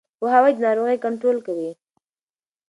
پوهاوی د ناروغۍ کنټرول کوي.